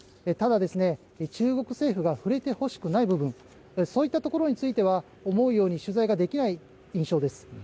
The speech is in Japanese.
ただ中国政府が触れてほしくない部分そういったところについては思うように取材ができない印象です。